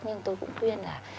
nhưng tôi cũng khuyên là